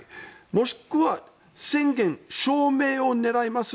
もしくは宣言証明を狙います